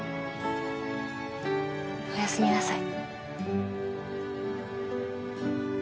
おやすみなさい。